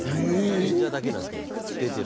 演者だけなんですけど出てる。